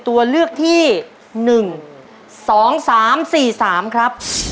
ตัวเลือกที่๑๒๓๔๓ครับ